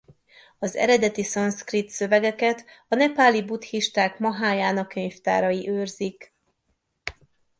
Az eredeti szanszkrit szövegeket a nepáli buddhisták mahájána könyvtárai őrzik.